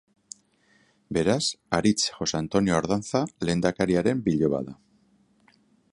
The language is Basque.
Beraz, Aritz Jose Antonio Ardanza lehendakariaren biloba da.